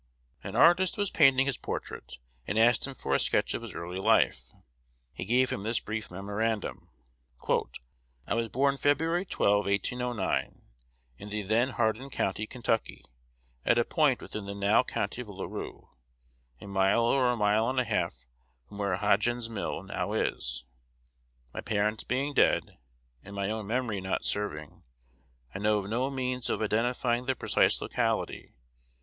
An artist was painting his portrait, and asked him for a sketch of his early life. He gave him this brief memorandum: "I was born Feb. 12,1809, in the then Hardin County, Kentucky, at a point within the now county of La Rue, a mile or a mile and a half from where Hodgens Mill now is. My parents being dead, and my own memory not serving, I know of no means of identifying the precise locality.